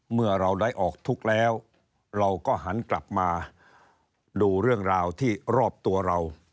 เมื่อเราได้ออกทุกข์แล้วเราก็หันกลับมาดูเรื่องราวที่รอบตัวเรา